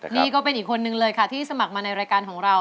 นี่ก็เป็นอีกคนนึงเลยค่ะที่สมัครมาในรายการของเรา